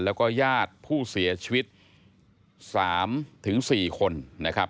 แล้วก็ญาติผู้เสียชีวิต๓๔คนนะครับ